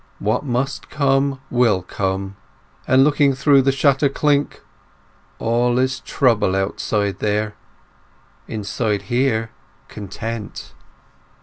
"What must come will come." And, looking through the shutter chink: "All is trouble outside there; inside here content."